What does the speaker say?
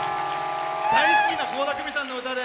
大好きな倖田來未さんの歌で。